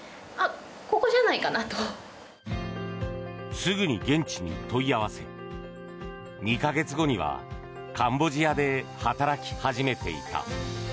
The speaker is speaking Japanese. すぐに現地に問い合わせ２か月後にはカンボジアで働き始めていた。